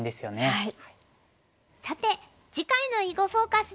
はい。